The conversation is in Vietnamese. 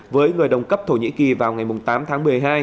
với người đồng cấp thổ nhĩ kỳ vào ngày tám tháng một mươi hai